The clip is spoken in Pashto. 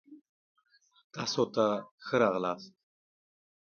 تاسو ښه راغلاست.